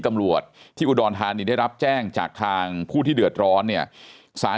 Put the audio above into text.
ตำรวจที่อุดรธานีได้รับแจ้งจากทางผู้ที่เดือดร้อนเนี่ยสาร